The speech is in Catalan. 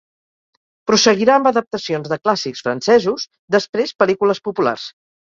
Prosseguirà amb adaptacions de clàssics francesos, després pel·lícules populars.